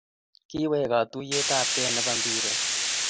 Kiwek katuyet ab kee nebo mpiret